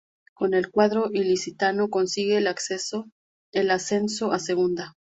Con el cuadro ilicitano consigue el ascenso a Segunda.